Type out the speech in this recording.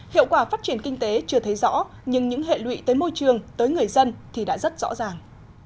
hiệu quả phát triển kinh tế chưa thấy rõ nhưng những hệ lụy tới môi trường tới người dân thì đã rất rõ ràng